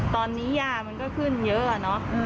ตอนนี้ย่ามันก็ขึ้นเยอะอะเนาะ